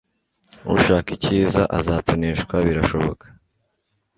Ushaka icyiza azatoneshwa birashoboka